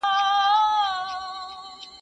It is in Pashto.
اختر پټ مېړه نه دئ.